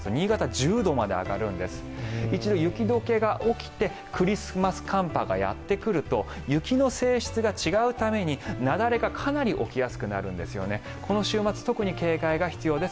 １度、雪解けが起きてクリスマス寒波がやってくると雪の性質が違うために雪崩がかなり起きやすくなるんです。